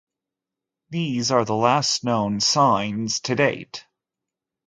These are the last known signs to date.